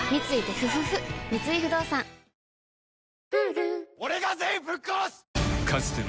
三井不動産「日清